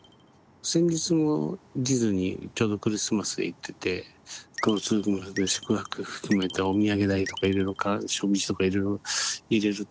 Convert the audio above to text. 先日もディズニーちょうどクリスマスで行ってて交通費も含め宿泊費含めてお土産代とかいろいろかかる食事とかいろいろ入れると。